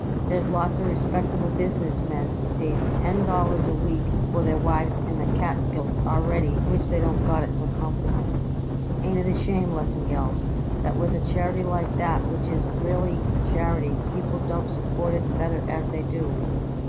There's lots of respectable business men pays ten dollars a week for their wives in the Catskills already which they don't got it so comfortable. Ain't it a shame, Lesengeld, that with a charity like that which is really a charity, people don't support it better as they do?"